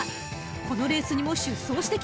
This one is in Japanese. ［このレースにも出走してきます］